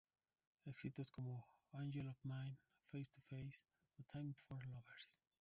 Éxitos como ""Angel of Mine"", ""Face to Face"" o ""Time for Lovers"".